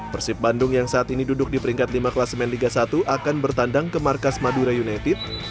persib bandung yang saat ini duduk di peringkat lima kelas main liga satu akan bertandang ke markas madura united